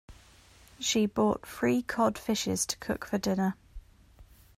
She bought three cod fishes to cook for dinner.